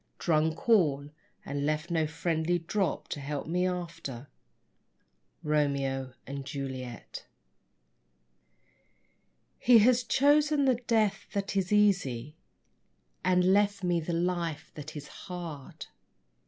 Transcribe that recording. drunk all, and left no friendly drop_ To help me after. Romeo and Juliet. He has chosen the death that is easy And left me the life that is hard.